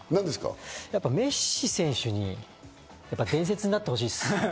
やっぱりメッシ選手に伝説になってほしいっす。